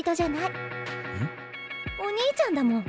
お兄ちゃんだもん。